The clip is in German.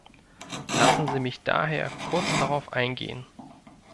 Lassen Sie mich daher kurz darauf eingehen.